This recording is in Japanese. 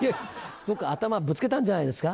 どっか頭ぶつけたんじゃないですか。